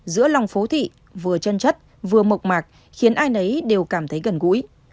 giữa lòng phố thị vừa chân chất vừa mộc mạc khiến ai nấy đều cảm thấy gần gũi